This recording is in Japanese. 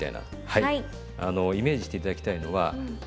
はい。